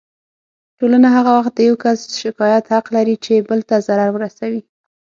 ټولنه هغه وخت د يو کس شکايت حق لري چې بل ته ضرر ورسوي.